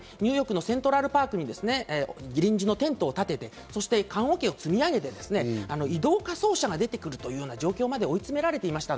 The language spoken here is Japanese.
ニューヨークのセントラルパークに臨時のテントを立てて、棺おけを積み上げて移動火葬車が出てくるという状況まで追い詰められていました。